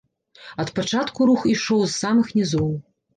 Ад пачатку рух ішоў з самых нізоў.